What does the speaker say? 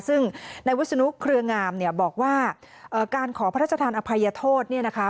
ซึ่งในวิศนุเครืองามเนี่ยบอกว่าการขอพระราชทานอภัยโทษเนี่ยนะคะ